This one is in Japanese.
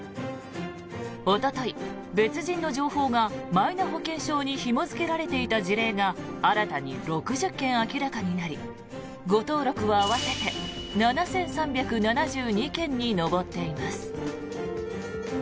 おととい、別人の情報がマイナ保険証にひも付けられていた事例が新たに６０件明らかになり誤登録は合わせて７３７２件に上っています。